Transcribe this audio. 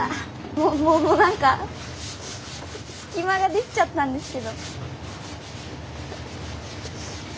もうもうもう何か隙間ができちゃったんですけど。